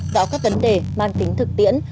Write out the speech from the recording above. gõ các vấn đề mang tính thực tiễn